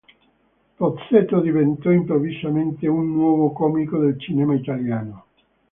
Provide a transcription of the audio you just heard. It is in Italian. Pozzetto diventò improvvisamente un nuovo comico del cinema italiano.